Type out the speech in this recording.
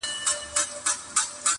انصاف نه دی ترافیک دي هم امام وي،